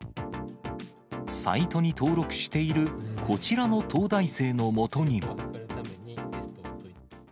サイトに登録しているこちらの東大生のもとには。